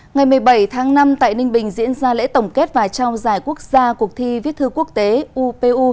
ngày một mươi bảy tháng năm tại ninh bình diễn ra lễ tổng kết và trao giải quốc gia cuộc thi viết thư quốc tế upu